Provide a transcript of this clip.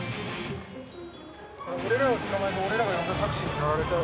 俺らが捕まって俺らが呼んでるタクシーに乗られたら。